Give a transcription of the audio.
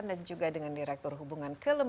dan juga dengan direktur hubungan indonesia